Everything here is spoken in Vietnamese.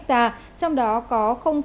trong đó có bảy